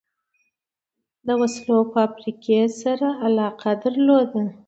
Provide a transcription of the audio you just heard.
د وسلو فابریکې سره علاقه درلوده.